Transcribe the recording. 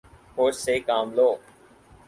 ہوش سے کام لو